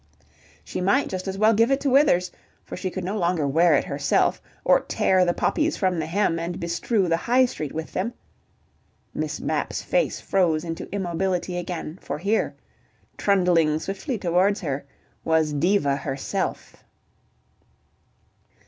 She might just as well give it Withers, for she could no longer wear it herself, or tear the poppies from the hem and bestrew the High Street with them. ... Miss Mapp's face froze into immobility again, for here, trundling swiftly towards her, was Diva herself.